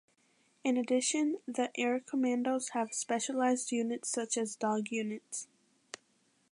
In addition the air commandos have specialized units such as dog units.